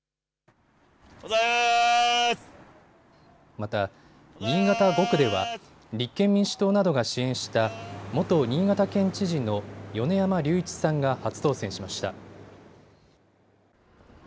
また、新潟５区では立憲民主党などが支援した元新潟県知事の米山隆一さんが初当選しました。